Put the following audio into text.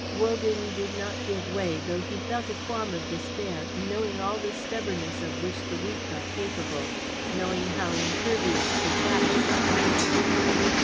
Wogan did not give way, though he felt a qualm of despair, knowing all the stubbornness of which the weak are capable, knowing how impervious to facts or arguments.